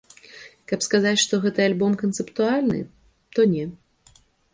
Каб сказаць, што гэты альбом канцэптуальны, то не.